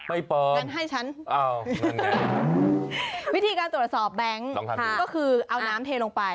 งั้นให้ฉันเอาวิธีการตรวจสอบแบงค์ก็คือเอาน้ำเทลงไป